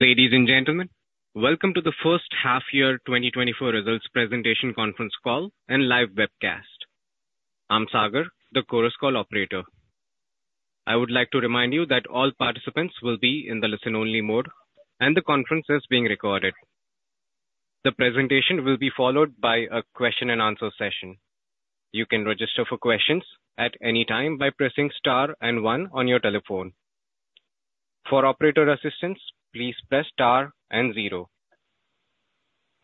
Ladies and gentlemen, welcome to the first half-year 2024 results presentation conference call and live webcast. I'm Sagar, the Chorus Call operator. I would like to remind you that all participants will be in the listen-only mode, and the conference is being recorded. The presentation will be followed by a question-and-answer session. You can register for questions at any time by pressing star and one on your telephone. For operator assistance, please press star and zero.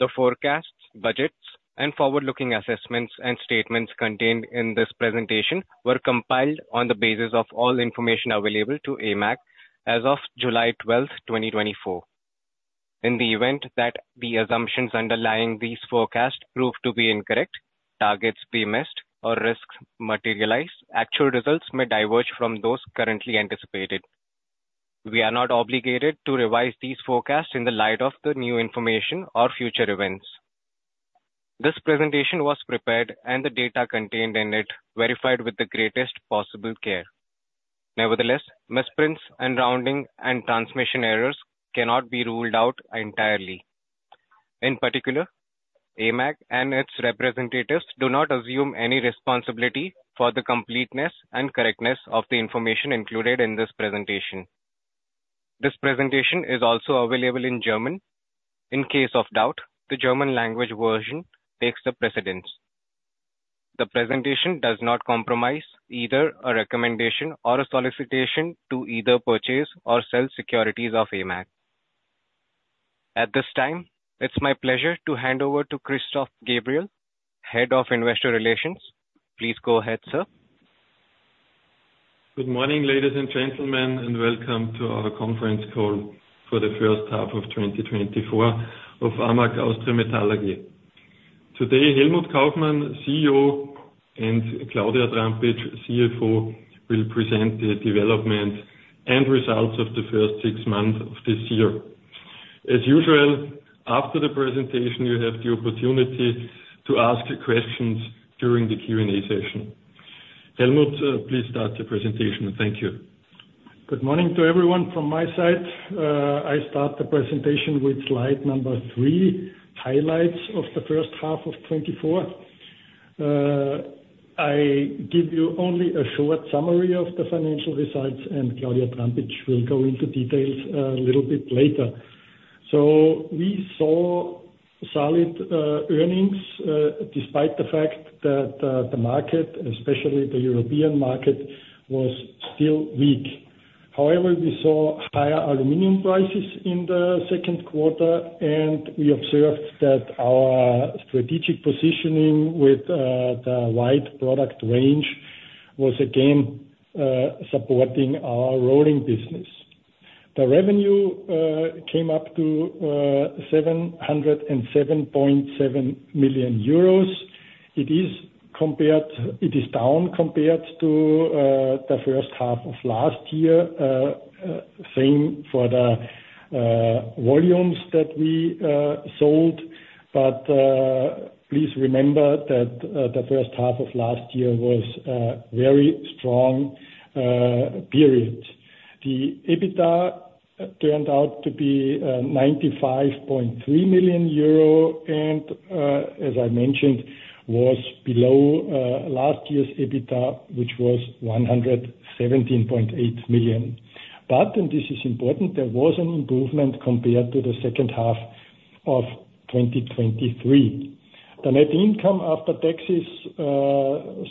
The forecasts, budgets, and forward-looking assessments and statements contained in this presentation were compiled on the basis of all information available to AMAG as of July 12, 2024. In the event that the assumptions underlying these forecasts prove to be incorrect, targets be missed, or risks materialize, actual results may diverge from those currently anticipated. We are not obligated to revise these forecasts in the light of the new information or future events. This presentation was prepared, and the data contained in it verified with the greatest possible care. Nevertheless, misprints and rounding and transmission errors cannot be ruled out entirely. In particular, AMAG and its representatives do not assume any responsibility for the completeness and correctness of the information included in this presentation. This presentation is also available in German. In case of doubt, the German language version takes the precedence. The presentation does not compromise either a recommendation or a solicitation to either purchase or sell securities of AMAG. At this time, it's my pleasure to hand over to Christoph Gabriel, Head of Investor Relations. Please go ahead, sir. Good morning, ladies and gentlemen, and welcome to our conference call for the first half of 2024 of AMAG Austria Metall. Helmut Kaufmann, CEO, and Claudia Trampitsch, CFO, will present the development and results of the first six months of this year. As usual, after the presentation, you have the opportunity to ask questions during the Q&A session. Helmut, please start the presentation. Thank you. Good morning to everyone. From my side, I start the presentation with slide number three, highlights of the first half of 2024. I give you only a short summary of the financial results, and Claudia Trampitsch will go into details a little bit later. So we saw solid earnings despite the fact that the market, especially the European market, was still weak. However, we saw higher aluminum prices in the Q2, and we observed that our strategic positioning with the wide product range was again supporting our rolling business. The revenue came up to 707.7 million euros. It is down compared to the first half of last year, same for the volumes that we sold. But please remember that the first half of last year was a very strong period. The EBITDA turned out to be 95.3 million euro, and as I mentioned, was below last year's EBITDA, which was 117.8 million. But, and this is important, there was an improvement compared to the second half of 2023. The net income after taxes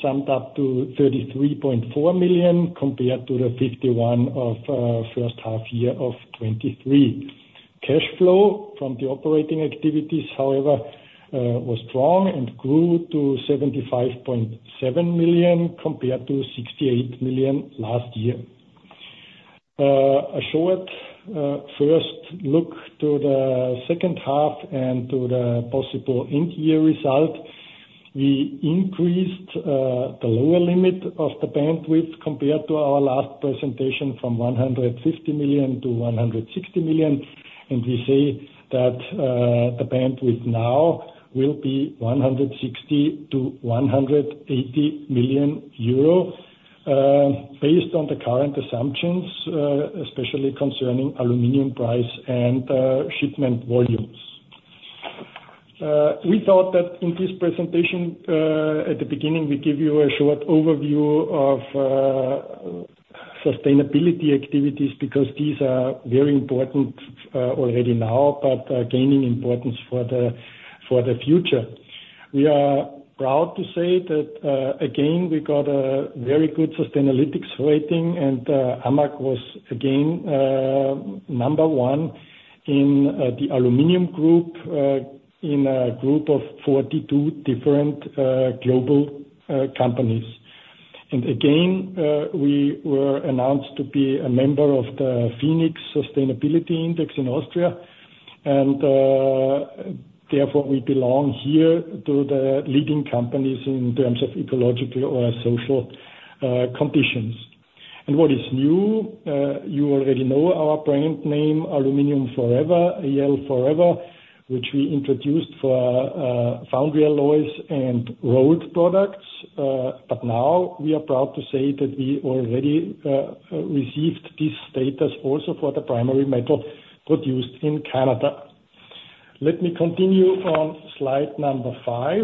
summed up to 33.4 million compared to the 51 of the first half year of 2023. Cash flow from the operating activities, however, was strong and grew to 75.7 million compared to 68 million last year. A short first look to the second half and to the possible end-year result: we increased the lower limit of the bandwidth compared to our last presentation from 150 million-160 million, and we say that the bandwidth now will be 160 million-180 million euro based on the current assumptions, especially concerning aluminum price and shipment volumes. We thought that in this presentation, at the beginning, we give you a short overview of sustainability activities because these are very important already now, but gaining importance for the future. We are proud to say that, again, we got a very good sustainability rating, and AMAG was again number one in the aluminum group in a group of 42 different global companies. And again, we were announced to be a member of the VÖNIX Sustainability Index in Austria, and therefore we belong here to the leading companies in terms of ecological or social conditions. And what is new? You already know our brand name, AMAG AL4ever, AL4ever, which we introduced for foundry alloys and rolled products. But now we are proud to say that we already received this status also for the primary metal produced in Canada. Let me continue on slide number five.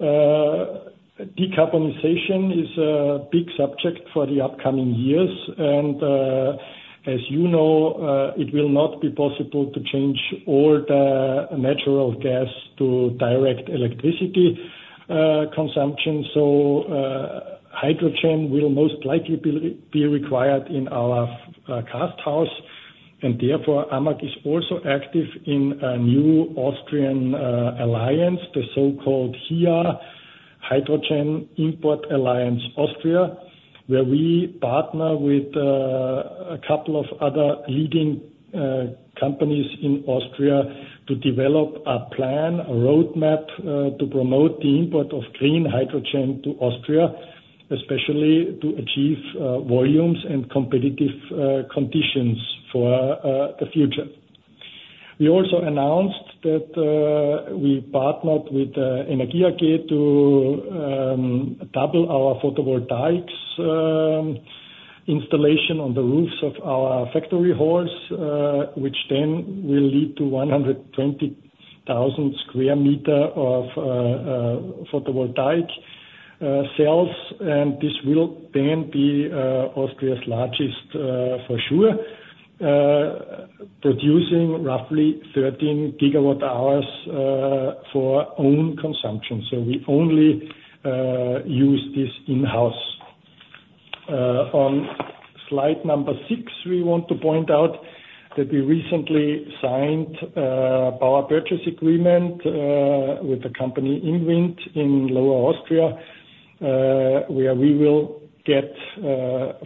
Decarbonization is a big subject for the upcoming years, and as you know, it will not be possible to change all the natural gas to direct electricity consumption. Hydrogen will most likely be required in our cast house. Therefore, AMAG is also active in a new Austrian alliance, the so-called HIAA, Hydrogen Import Alliance Austria, where we partner with a couple of other leading companies in Austria to develop a plan, a roadmap to promote the import of green hydrogen to Austria, especially to achieve volumes and competitive conditions for the future. We also announced that we partnered with Energie AG to double our photovoltaics installation on the roofs of our factory halls, which then will lead to 120,000 sq m of photovoltaic cells. This will then be Austria's largest, for sure, producing roughly 13 GWh for own consumption. We only use this in-house. On slide six, we want to point out that we recently signed a power purchase agreement with the company ImWind in Lower Austria, where we will get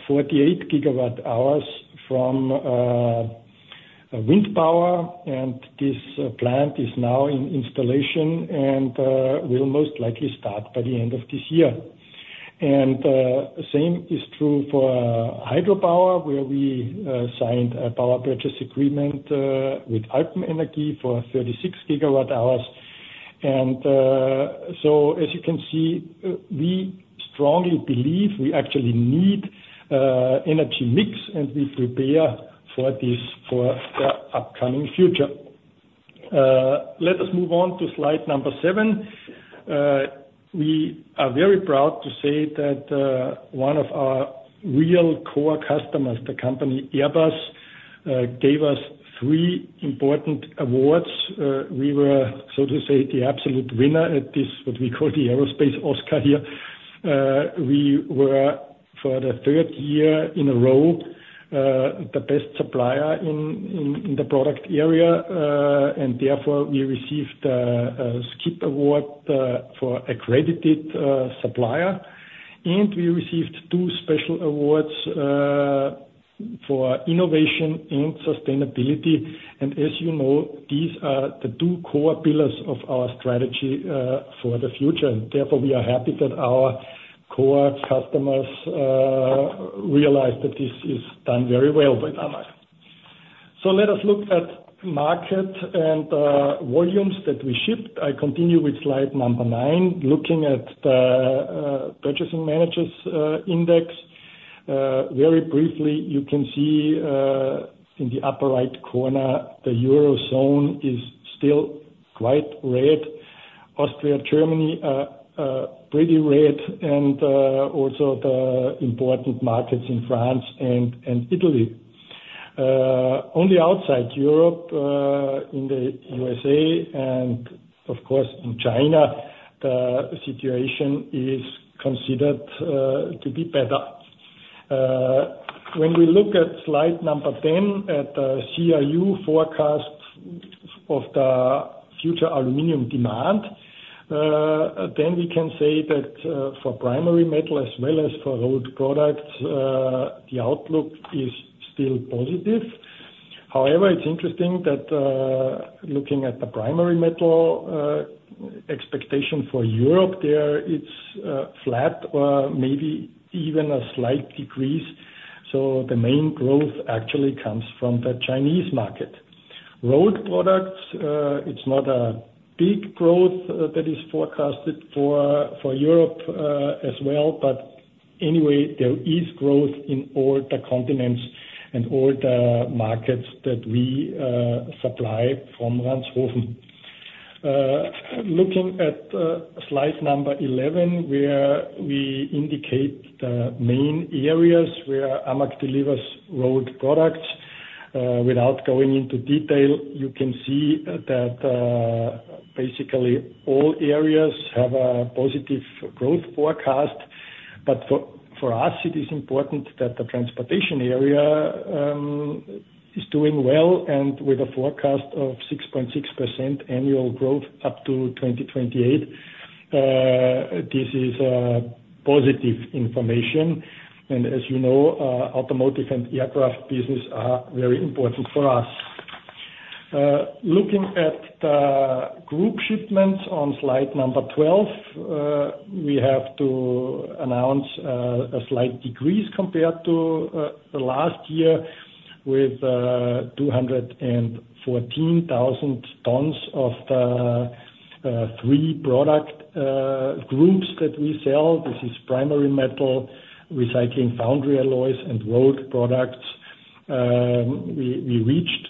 48 GWh from wind power. And this plant is now in installation and will most likely start by the end of this year. And same is true for hydropower, where we signed a power purchase agreement with AlpenEnergie for 36 GWh. And so, as you can see, we strongly believe we actually need energy mix, and we prepare for this for the upcoming future. Let us move on to slide seven. We are very proud to say that one of our real core customers, the company Airbus, gave us three important awards. We were, so to say, the absolute winner at this, what we call the Aerospace Oscar here. We were, for the third year in a row, the best supplier in the product area, and therefore we received a SQIP award for accredited supplier. And we received two special awards for innovation and sustainability. And as you know, these are the two core pillars of our strategy for the future. Therefore, we are happy that our core customers realize that this is done very well by AMAG. So let us look at market and volumes that we shipped. I continue with slide number nine, looking at the Purchasing Managers' Index. Very briefly, you can see in the upper right corner, the Eurozone is still quite red, Austria and Germany are pretty red, and also the important markets in France and Italy. Only outside Europe, in the USA and, of course, in China, the situation is considered to be better. When we look at slide number 10, at the CRU forecast of the future aluminum demand, then we can say that for primary metal as well as for rolled products, the outlook is still positive. However, it's interesting that looking at the primary metal expectation for Europe, there it's flat or maybe even a slight decrease. So the main growth actually comes from the Chinese market. Rolled products, it's not a big growth that is forecasted for Europe as well. But anyway, there is growth in all the continents and all the markets that we supply from Ranshofen. Looking at slide number 11, where we indicate the main areas where AMAG delivers rolled products, without going into detail, you can see that basically all areas have a positive growth forecast. But for us, it is important that the transportation area is doing well and with a forecast of 6.6% annual growth up to 2028. This is positive information. And as you know, automotive and aircraft business are very important for us. Looking at the group shipments on slide number 12, we have to announce a slight decrease compared to last year with 214,000 tons of the three product groups that we sell. This is primary metal, recycling foundry alloys, and rolled products. We reached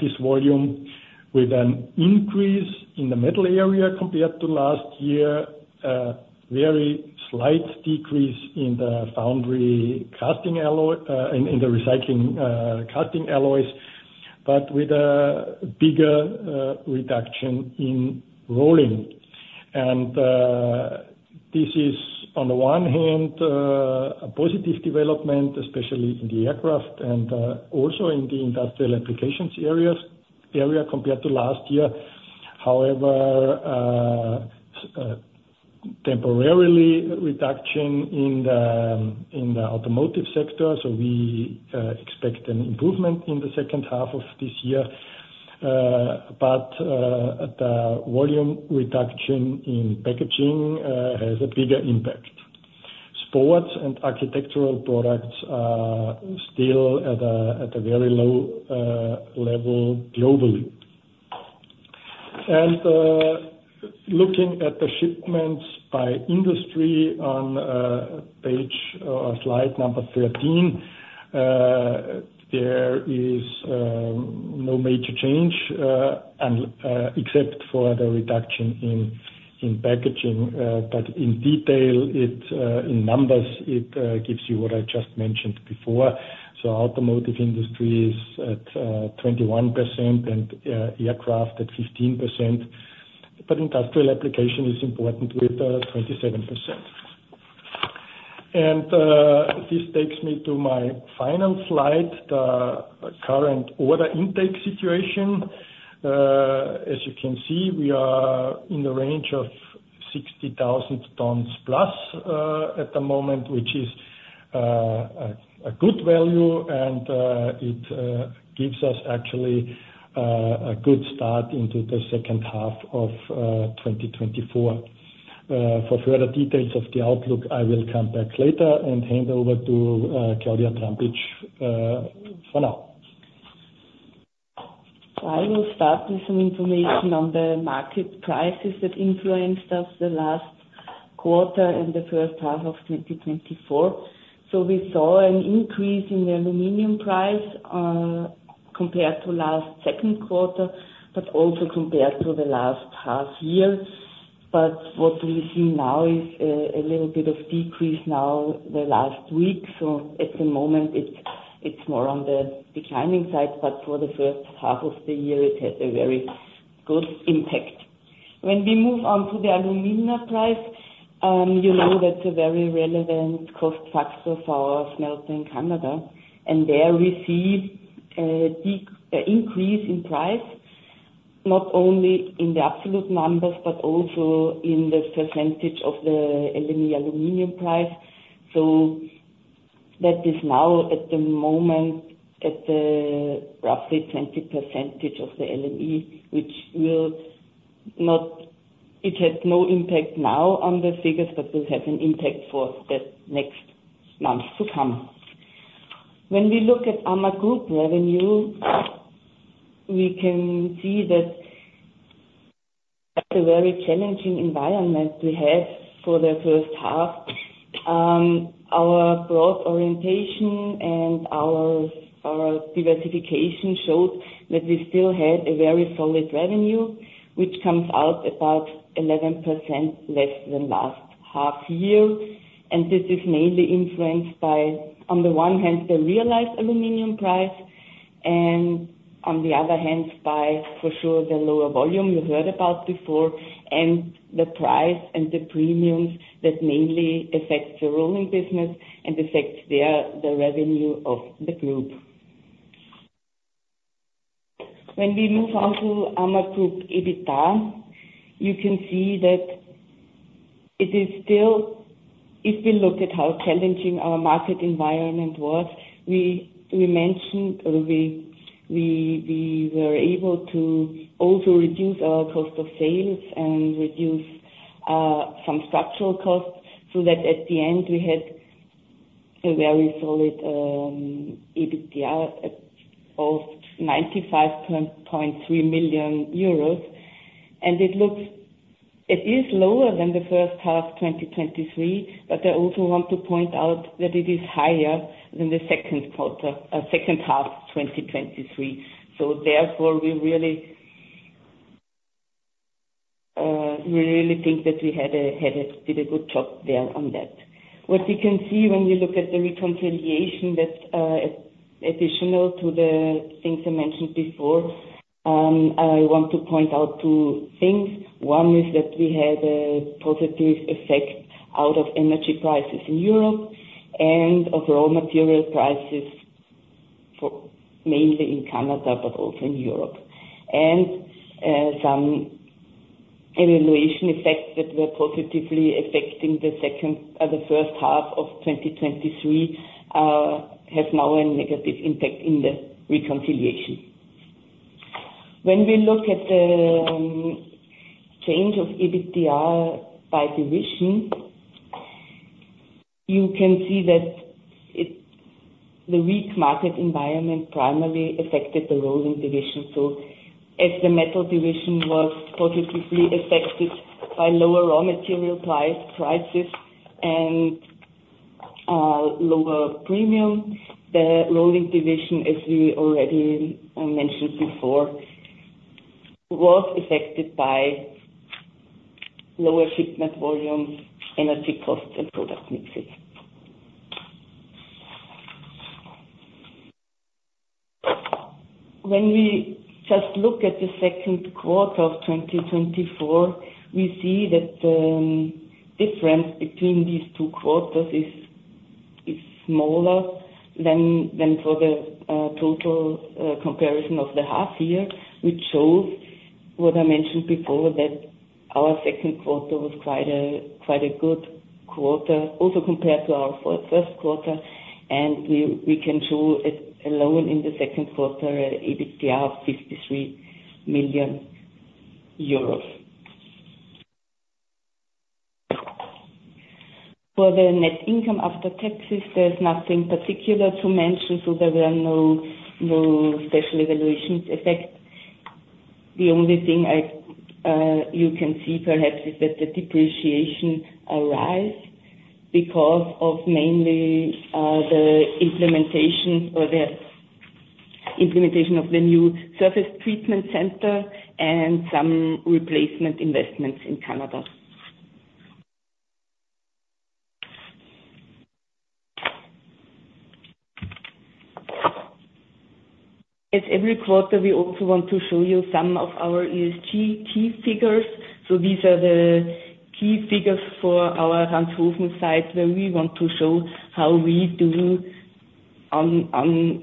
this volume with an increase in the metal area compared to last year, a very slight decrease in the foundry casting alloy and in the recycling casting alloys, but with a bigger reduction in rolling. And this is, on the one hand, a positive development, especially in the aircraft and also in the industrial applications area compared to last year. However, temporary reduction in the automotive sector. So we expect an improvement in the second half of this year. But the volume reduction in packaging has a bigger impact. Sports and architectural products are still at a very low level globally. And looking at the shipments by industry on page or slide number 13, there is no major change except for the reduction in packaging. But in detail, in numbers, it gives you what I just mentioned before. So automotive industry is at 21% and aircraft at 15%. But industrial application is important with 27%. And this takes me to my final slide, the current order intake situation. As you can see, we are in the range of 60,000 tons plus at the moment, which is a good value, and it gives us actually a good start into the second half of 2024. For further details of the outlook, I will come back later and hand over to Claudia Trampitsch for now. I will start with some information on the market prices that influenced us the last quarter and the first half of 2024. So we saw an increase in the aluminum price compared to last Q2, but also compared to the last half year. But what we see now is a little bit of decrease now the last week. So at the moment, it's more on the declining side, but for the first half of the year, it had a very good impact. When we move on to the aluminum price, you know that's a very relevant cost factor for our smelter in Canada. And there we see an increase in price, not only in the absolute numbers, but also in the percentage of the aluminum price. So that is now at the moment at roughly 20% of the LME, which will not, it has no impact now on the figures, but will have an impact for the next months to come. When we look at AMAG Group revenue, we can see that it's a very challenging environment to have for the first half. Our broad orientation and our diversification showed that we still had a very solid revenue, which comes out about 11% less than last half year. And this is mainly influenced by, on the one hand, the realized aluminum price, and on the other hand, by, for sure, the lower volume you heard about before, and the price and the premiums that mainly affect the rolling business and affect the revenue of the group. When we move on to AMAG Group EBITDA, you can see that it is still, if we look at how challenging our market environment was, we mentioned we were able to also reduce our cost of sales and reduce some structural costs so that at the end, we had a very solid EBITDA of 95.3 million euros. It looks, it is lower than the first half 2023, but I also want to point out that it is higher than the Q2, second half 2023. Therefore, we really think that we had a good job there on that. What you can see when you look at the reconciliation that's additional to the things I mentioned before, I want to point out two things. One is that we had a positive effect out of energy prices in Europe and of raw material prices, mainly in Canada, but also in Europe. Some valuation effects that were positively affecting the first half of 2023 have now a negative impact in the reconciliation. When we look at the change of EBITDA by division, you can see that the weak market environment primarily affected the rolling division. So as the metal division was positively affected by lower raw material prices and lower premium, the rolling division, as we already mentioned before, was affected by lower shipment volumes, energy costs, and product mixes. When we just look at the Q2 of 2024, we see that the difference between these two quarters is smaller than for the total comparison of the half year, which shows what I mentioned before, that our Q2 was quite a good quarter, also compared to our Q1. We can show alone in the Q2 an EBITDA of EUR 53 million. For the net income after taxes, there's nothing particular to mention. So there were no special evaluation effects. The only thing you can see perhaps is that the depreciation arose because of mainly the implementation of the new surface treatment center and some replacement investments in Canada. As every quarter, we also want to show you some of our ESG key figures. So these are the key figures for our Ranshofen site where we want to show how we do on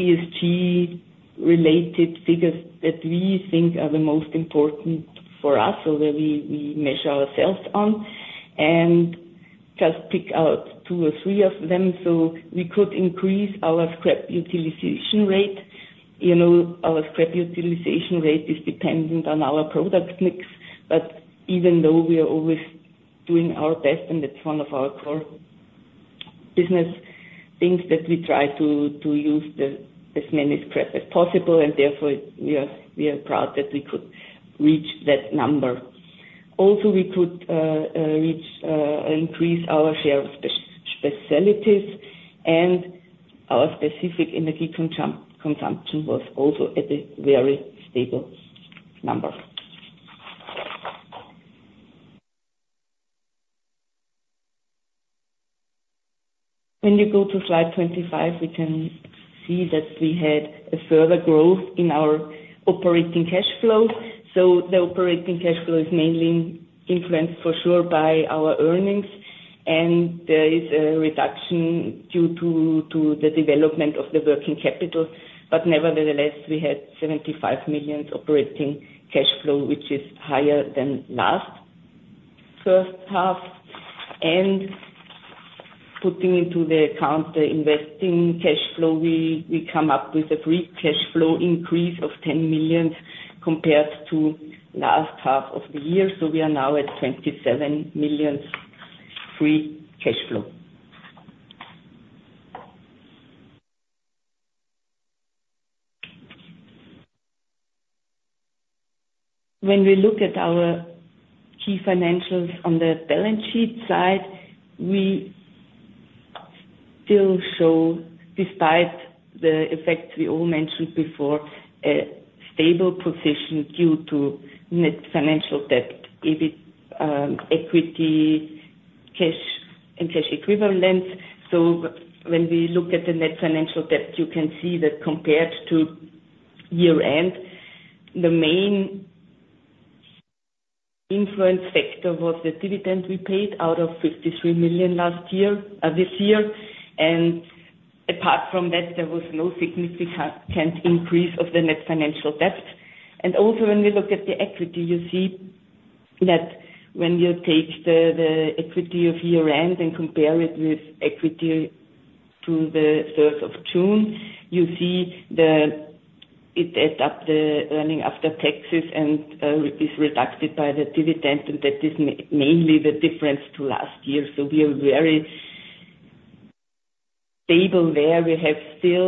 ESG-related figures that we think are the most important for us or that we measure ourselves on. And just pick out two or three of them so we could increase our scrap utilization rate. Our scrap utilization rate is dependent on our product mix. But even though we are always doing our best, and that's one of our core business things, that we try to use as many scrap as possible. And therefore, we are proud that we could reach that number. Also, we could increase our share of specialties. And our specific energy consumption was also at a very stable number. When you go to slide 25, we can see that we had a further growth in our operating cash flow. So the operating cash flow is mainly influenced, for sure, by our earnings. And there is a reduction due to the development of the working capital. But nevertheless, we had 75 million operating cash flow, which is higher than last first half. And putting into the account the investing cash flow, we come up with a free cash flow increase of 10 million compared to last half of the year. So we are now at 27 million free cash flow. When we look at our key financials on the balance sheet side, we still show, despite the effects we all mentioned before, a stable position due to net financial debt, equity, cash, and cash equivalents. So when we look at the net financial debt, you can see that compared to year-end, the main influence factor was the dividend we paid out of 53 million last year this year. Apart from that, there was no significant increase of the net financial debt. Also when we look at the equity, you see that when you take the equity of year-end and compare it with equity to the 3rd of June, you see that it adds up the earnings after taxes and is reduced by the dividend. That is mainly the difference to last year. We are very stable there. We have still,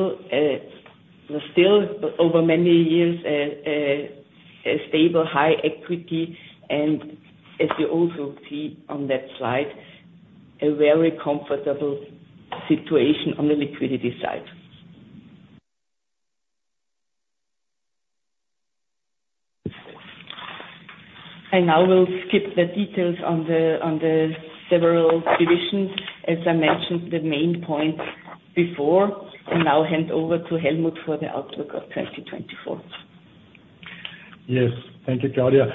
over many years, a stable high equity. And as you also see on that slide, a very comfortable situation on the liquidity side. I now will skip the details on the several divisions. As I mentioned the main points before, I'll now hand over to Helmut for the outlook of 2024. Yes. Thank you, Claudia.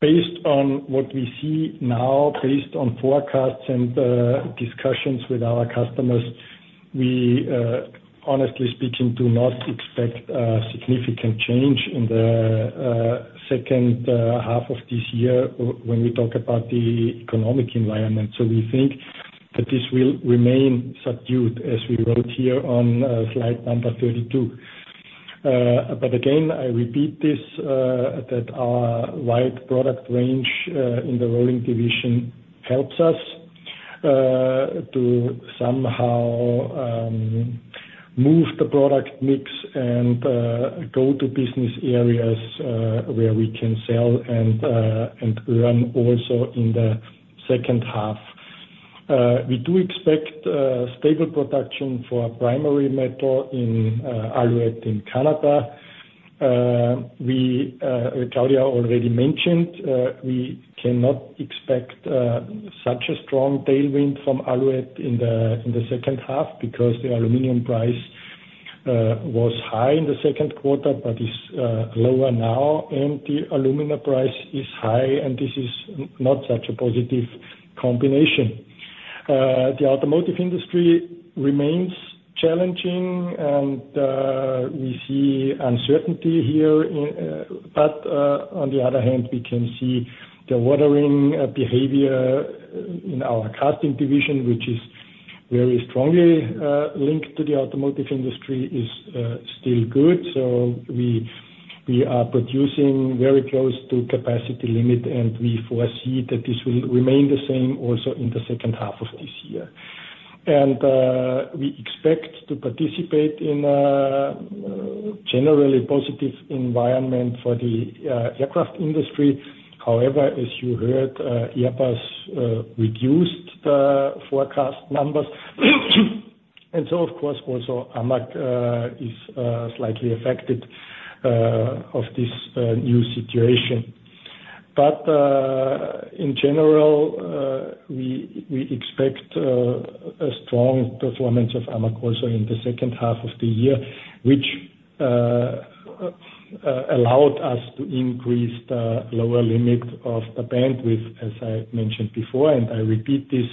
Based on what we see now, based on forecasts and discussions with our customers, we, honestly speaking, do not expect a significant change in the second half of this year when we talk about the economic environment. So we think that this will remain subdued, as we wrote here on slide number 32. But again, I repeat this, that our wide product range in the rolling division helps us to somehow move the product mix and go to business areas where we can sell and earn also in the second half. We do expect stable production for primary metal in Alouette in Canada. Claudia already mentioned we cannot expect such a strong tailwind from Alouette in the second half because the aluminum price was high in the Q2, but is lower now. And the alumina price is high, and this is not such a positive combination. The automotive industry remains challenging, and we see uncertainty here. But on the other hand, we can see the ordering behavior in our casting division, which is very strongly linked to the automotive industry, is still good. So we are producing very close to capacity limit, and we foresee that this will remain the same also in the second half of this year. And we expect to participate in a generally positive environment for the aircraft industry. However, as you heard, Airbus reduced the forecast numbers. And so, of course, also AMAG is slightly affected of this new situation. But in general, we expect a strong performance of AMAG also in the second half of the year, which allowed us to increase the lower limit of the bandwidth, as I mentioned before. I repeat this,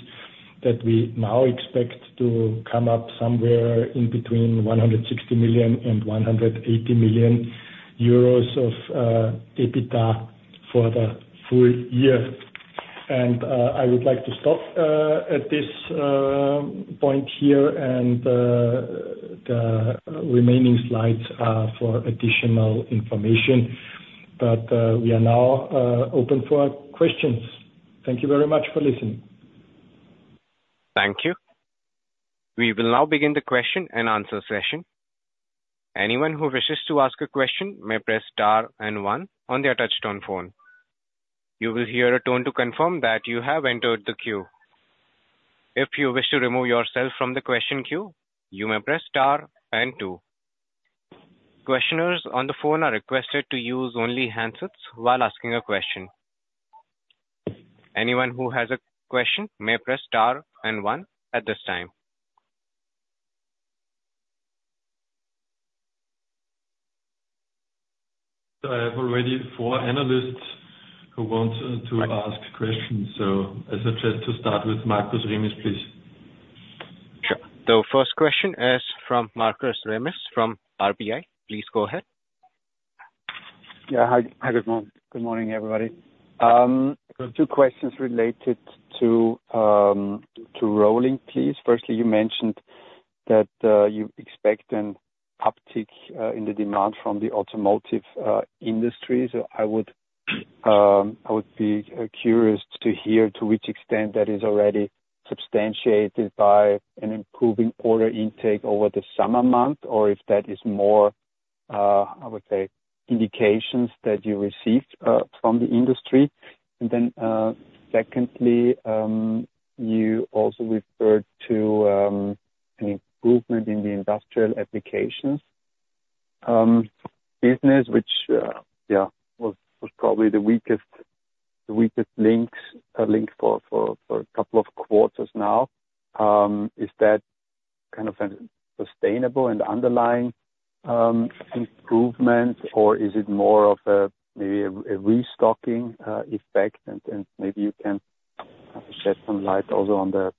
that we now expect to come up somewhere in between 160 million and 180 million euros of EBITDA for the full year. I would like to stop at this point here, and the remaining slides are for additional information. We are now open for questions. Thank you very much for listening. Thank you. We will now begin the question and answer session. Anyone who wishes to ask a question may press star and one on the touch-tone phone. You will hear a tone to confirm that you have entered the queue. If you wish to remove yourself from the question queue, you may press star and two. Questioners on the phone are requested to use only handsets while asking a question. Anyone who has a question may press star and one at this time. I have already four analysts who want to ask questions. So I suggest to start with Markus Remis, please. Sure. The first question is from Markus Remis from RBI. Please go ahead. Yeah. Hi, good morning, everybody. Two questions related to rolling, please. Firstly, you mentioned that you expect an uptick in the demand from the automotive industry. So I would be curious to hear to which extent that is already substantiated by an improving order intake over the summer month, or if that is more, I would say, indications that you received from the industry. And then secondly, you also referred to an improvement in the industrial applications business, which, yeah, was probably the weakest link for a couple of quarters now. Is that kind of a sustainable and underlying improvement, or is it more of maybe a restocking effect? And maybe you can shed some light also on the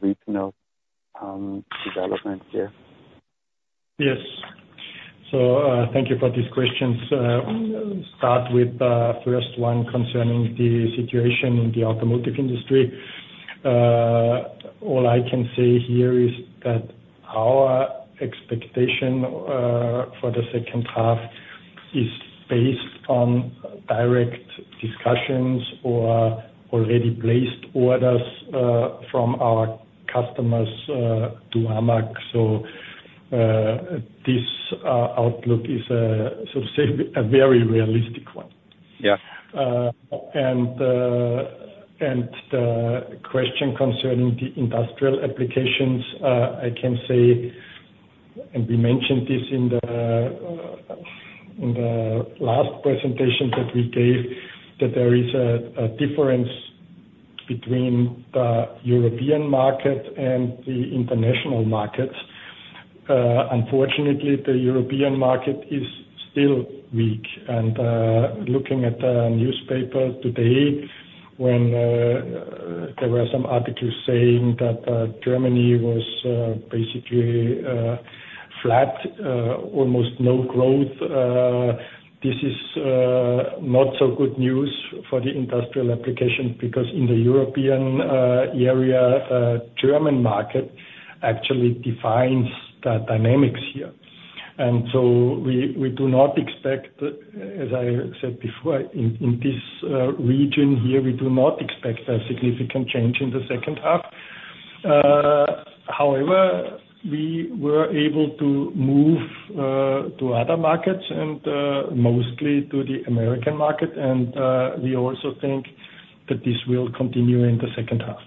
regional development here. Yes. So thank you for these questions. Start with the first one concerning the situation in the automotive industry. All I can say here is that our expectation for the second half is based on direct discussions or already placed orders from our customers to AMAG. So this outlook is, so to say, a very realistic one. And the question concerning the industrial applications, I can say, and we mentioned this in the last presentation that we gave, that there is a difference between the European market and the international markets. Unfortunately, the European market is still weak. And looking at the newspaper today, when there were some articles saying that Germany was basically flat, almost no growth, this is not so good news for the industrial application because in the European area, the German market actually defines the dynamics here. And so we do not expect, as I said before, in this region here, we do not expect a significant change in the second half. However, we were able to move to other markets and mostly to the American market. And we also think that this will continue in the second half.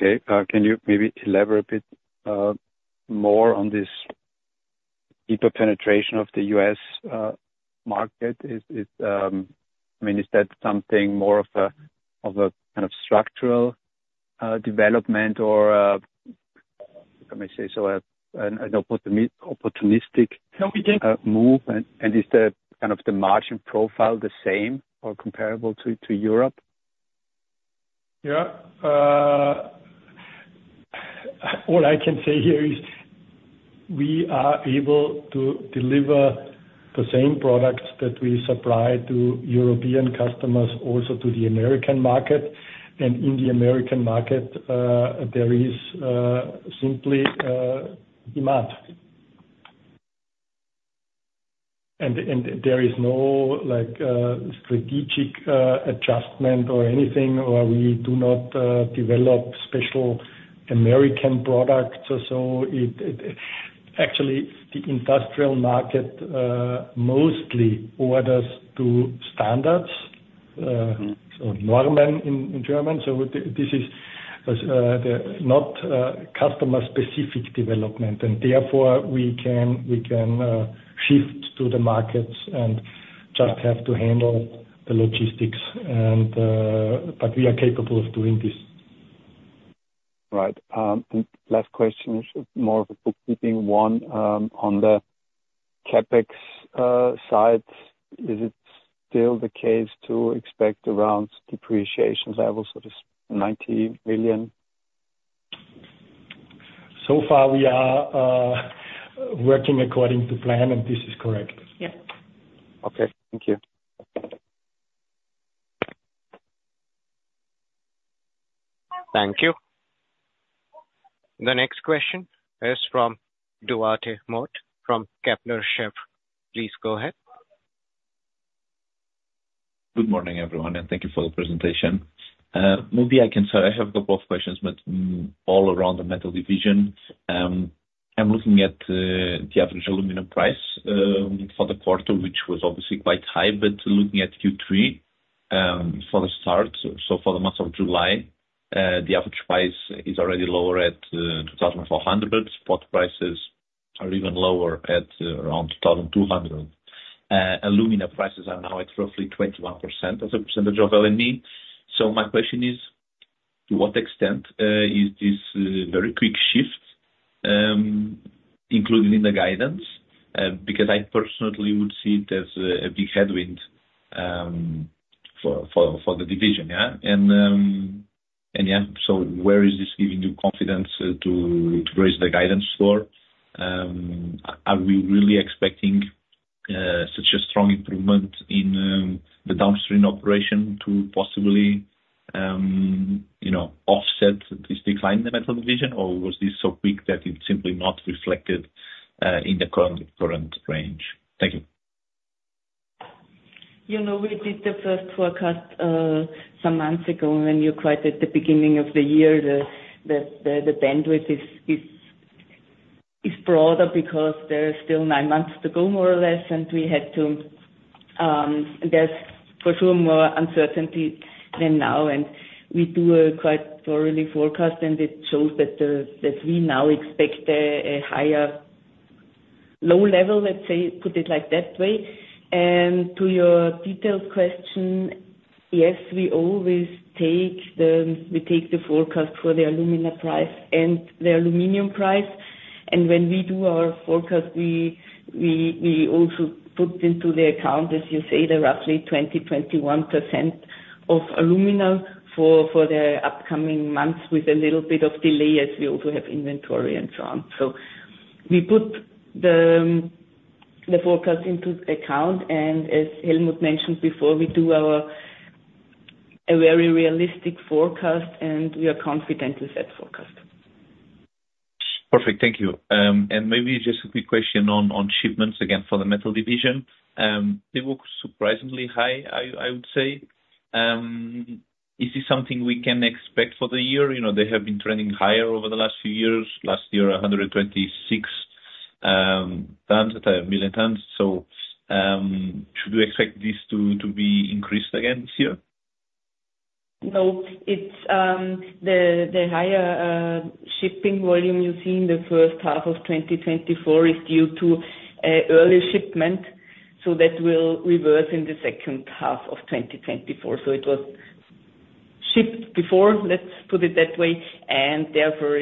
Okay. Can you maybe elaborate a bit more on this deeper penetration of the U.S. market? I mean, is that something more of a kind of structural development or, let me say so, an opportunistic move? And is kind of the margin profile the same or comparable to Europe? Yeah. All I can say here is we are able to deliver the same products that we supply to European customers, also to the American market. And in the American market, there is simply demand. There is no strategic adjustment or anything, or we do not develop special American products. So actually, the industrial market mostly orders to standards, so Normen in German. So this is not customer-specific development. And therefore, we can shift to the markets and just have to handle the logistics. But we are capable of doing this. Right. Last question is more of a bookkeeping one on the CapEx side. Is it still the case to expect around depreciation levels of 90 million? So far, we are working according to plan, and this is correct. Yep. Okay. Thank you. Thank you. The next question is from Duarte Murta from Kepler Cheuvreux. Please go ahead. Good morning, everyone, and thank you for the presentation. Maybe I can say I have a couple of questions, but all around the metal division, I'm looking at the average aluminum price for the quarter, which was obviously quite high. But looking at Q3 for the start, so for the month of July, the average price is already lower at $2,400. Spot prices are even lower at around $2,200. Alumina prices are now at roughly 21% as a percentage of LME. So my question is, to what extent is this very quick shift included in the guidance? Because I personally would see it as a big headwind for the division. Yeah. And yeah, so where is this giving you confidence to raise the guidance for? Are we really expecting such a strong improvement in the downstream operation to possibly offset this decline in the metal division, or was this so quick that it's simply not reflected in the current range? Thank you. We did the first forecast some months ago when we were quite at the beginning of the year; the bandwidth is broader because there are still nine months to go, more or less. There was for sure more uncertainty than now. We do a quite thorough forecast, and it shows that we now expect a higher low level, let's say, put it like that way. To your detailed question, yes, we always take the forecast for the alumina price and the aluminum price. When we do our forecast, we also put into the account, as you say, the roughly 20%-21% of alumina for the upcoming months with a little bit of delay as we also have inventory and so on. So we put the forecast into account. And as Helmut mentioned before, we do a very realistic forecast, and we are confident with that forecast. Perfect. Thank you. And maybe just a quick question on shipments again for the metal division. They were surprisingly high, I would say. Is this something we can expect for the year? They have been trending higher over the last few years. Last year, 126 million tons. So should we expect this to be increased again this year? No, the higher shipping volume you see in the first half of 2024 is due to early shipment. So that will reverse in the second half of 2024. So it was shipped before, let's put it that way, and therefore,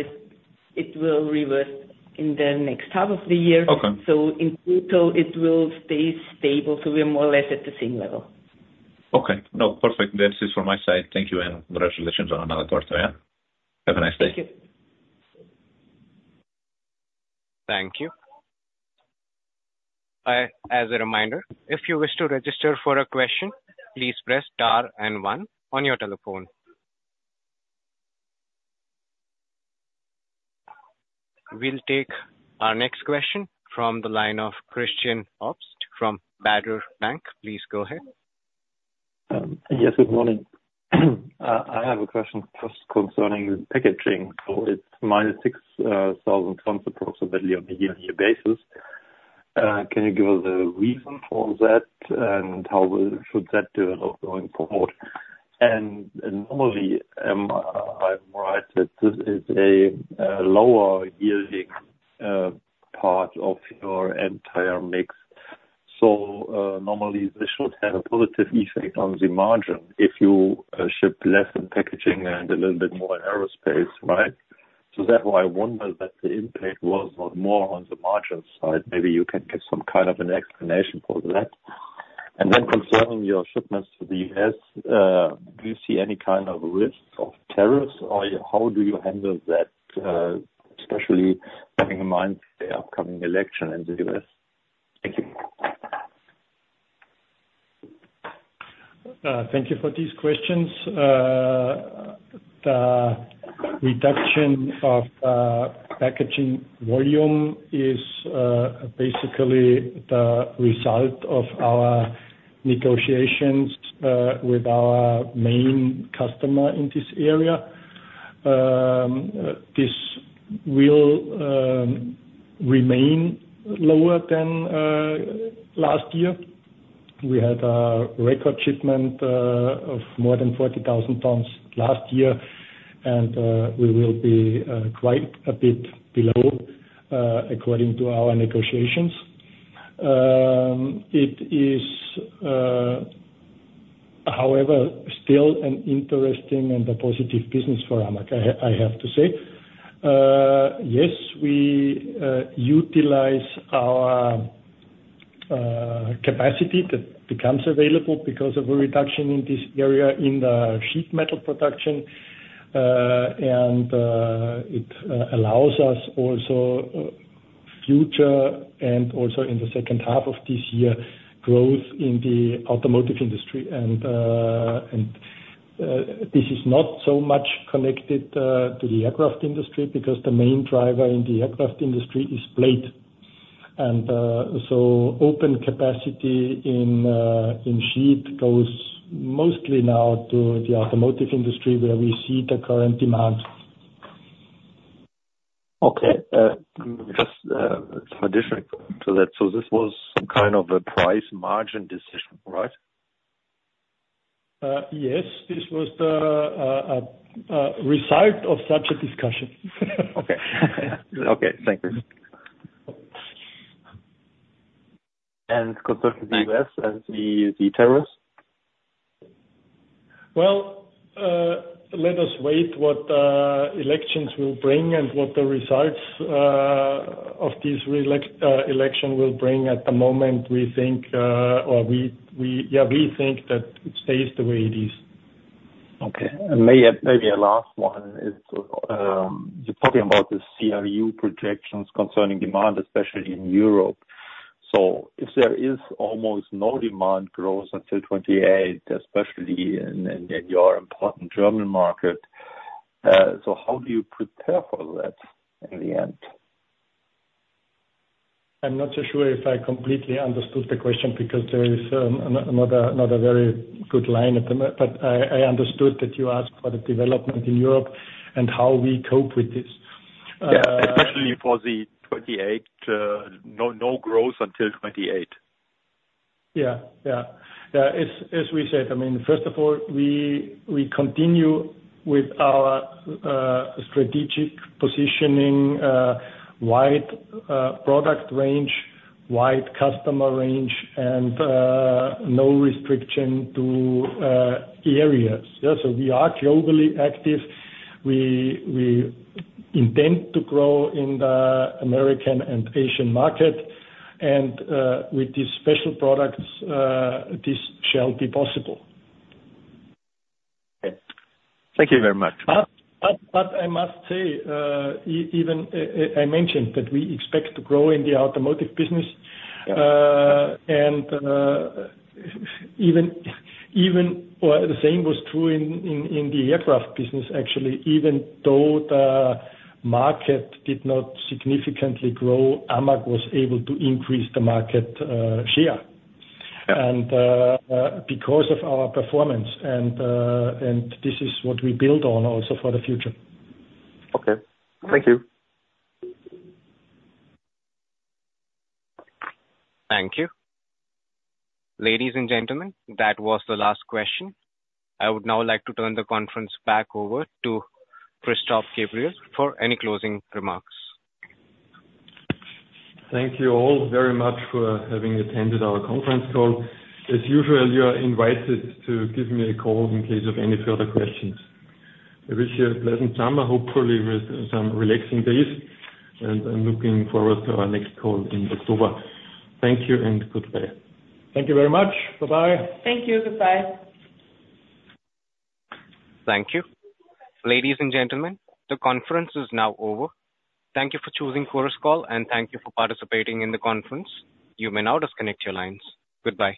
it will reverse in the next half of the year. So in total, it will stay stable. So we are more or less at the same level. Okay. No, perfect. That's it from my side. Thank you, and congratulations on another quarter. Yeah. Have a nice day. Thank you. Thank you. As a reminder, if you wish to register for a question, please press star and one on your telephone. We'll take our next question from the line of Christian Obst from Baader Bank. Please go ahead. Yes. Good morning. I have a question concerning packaging. So it's minus 6,000 tons approximately on a year-to-year basis. Can you give us a reason for that, and how should that develop going forward? Normally, I'm right that this is a lower yielding part of your entire mix. So normally, this should have a positive effect on the margin if you ship less in packaging and a little bit more in aerospace, right? So that's why I wonder that the impact was more on the margin side. Maybe you can give some kind of an explanation for that. And then concerning your shipments to the U.S., do you see any kind of risks of tariffs, or how do you handle that, especially having in mind the upcoming election in the U.S.? Thank you. Thank you for these questions. The reduction of packaging volume is basically the result of our negotiations with our main customer in this area. This will remain lower than last year. We had a record shipment of more than 40,000 tons last year, and we will be quite a bit below according to our negotiations. It is, however, still an interesting and a positive business for AMAG, I have to say. Yes, we utilize our capacity that becomes available because of a reduction in this area in the sheet metal production. And it allows us also future and also in the second half of this year growth in the automotive industry. And this is not so much connected to the aircraft industry because the main driver in the aircraft industry is plate. And so open capacity in sheet goes mostly now to the automotive industry where we see the current demand. Okay. Just some additional question to that. So this was kind of a price margin decision, right? Yes. This was the result of such a discussion. Okay. Okay. Thank you. And concerning the U.S. and the tariffs? Well, let us wait what elections will bring and what the results of this election will bring. At the moment, we think, or yeah, we think that it stays the way it is. Okay. And maybe a last one is you're talking about the CRU projections concerning demand, especially in Europe. So if there is almost no demand growth until 2028, especially in your important German market, so how do you prepare for that in the end? I'm not so sure if I completely understood the question because there is not a very good line at the moment. But I understood that you asked for the development in Europe and how we cope with this. Yeah. Especially for the 2028, no growth until 2028. Yeah. Yeah. Yeah. As we said, I mean, first of all, we continue with our strategic positioning, wide product range, wide customer range, and no restriction to areas. So we are globally active. We intend to grow in the American and Asian market. And with these special products, this shall be possible. Okay. Thank you very much. But I must say, even I mentioned that we expect to grow in the automotive business. And even the same was true in the aircraft business, actually. Even though the market did not significantly grow, AMAG was able to increase the market share because of our performance. And this is what we build on also for the future. Okay. Thank you. Thank you. Ladies and gentlemen, that was the last question. I would now like to turn the conference back over to Christoph Gabriel for any closing remarks. Thank you all very much for having attended our conference call. As usual, you are invited to give me a call in case of any further questions. I wish you a pleasant summer, hopefully with some relaxing days. I'm looking forward to our next call in October. Thank you and goodbye. Thank you very much. Bye-bye. Thank you. Goodbye. Thank you. Ladies and gentlemen, the conference is now over. Thank you for choosing Chorus Call, and thank you for participating in the conference. You may now disconnect your lines. Goodbye.